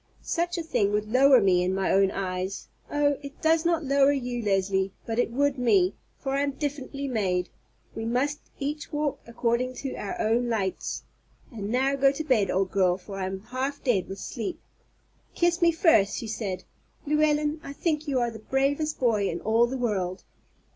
Such a thing would lower me in my own eyes. Oh, it does not lower you, Leslie; but it would me, for I am differently made. We must each walk according to our own lights. And now go to bed, old girl, for I am half dead with sleep." "Kiss me, first," she said. "Llewellyn, I think you are the bravest boy in all the world."